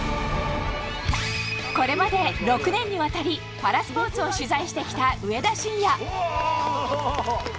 これまで６年にわたりパラスポーツを取材してきた上田晋也。